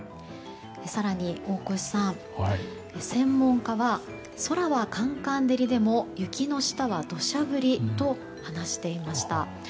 更に大越さん、専門家は空はかんかん照りでも雪の下は土砂降りと話していました。